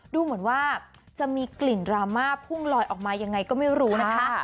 ดูเหมือนว่าจะมีกลิ่นดราม่าพุ่งลอยออกมายังไงก็ไม่รู้นะคะ